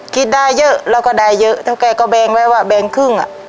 คิดได้เยอะเราก็ได้เยอะเท่าแกก็แบงไว้ว่าแบงครึ่งอ่ะ